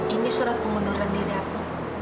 ini surat pengunduran diri aku